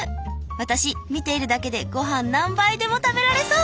私見ているだけで御飯何杯でも食べられそう。